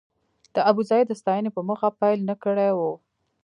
د ابوزید د ستاینې په موخه پيل نه کړی و.